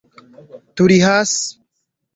Turi hasi